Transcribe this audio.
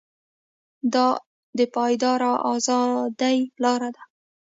دا د پایداره ازادۍ لاره ده.